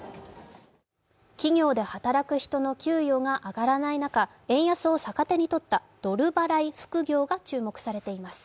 企業で働く人の給与が上がらない中、円安を逆手にとったドル払い副業が注目されています。